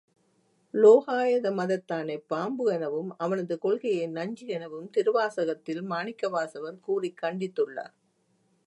உலோகாயத மதத்தானைப் பாம்பு எனவும் அவன்து கொள்கையை நஞ்சு எனவும் திருவாசகத்தில் மாணிக்கவாசகர் கூறிக் கண்டித்துள்ளார்.